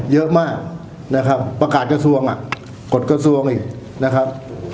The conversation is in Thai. เยอะมากนะครับประกาศกระทรวงอ่ะกฎกระทรวงอีกนะครับ